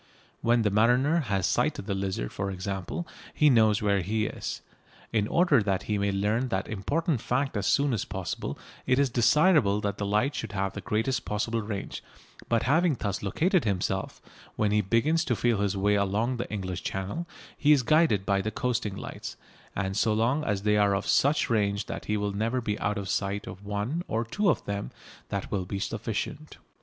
When the mariner has sighted the Lizard, for example, he knows where he is. In order that he may learn that important fact as soon as possible it is desirable that that light should have the greatest possible range, but having thus located himself, when he begins to feel his way along the English Channel he is guided by the coasting lights, and so long as they are of such range that he will never be out of sight of one or two of them that will be sufficient.